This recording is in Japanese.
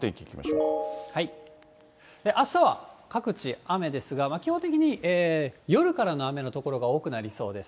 あしたは各地、雨ですが、基本的に夜からの雨の所が多くなりそうです。